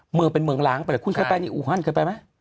เมืองเป็นเมืองล้างไปคุณเคยไปอู่ฮั่นเคยไปมั้ย